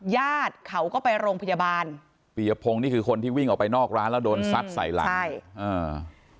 ญาติเขาก็ไปโรงพยาบาลปียพงศ์นี่คือคนที่วิ่งออกไปนอกร้านแล้วโดนซัดใส่หลังใช่อ่า